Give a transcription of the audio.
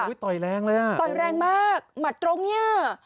ต่อยแรงเลยอ่ะต่อยแรงมากหมัดตรงเนี่ย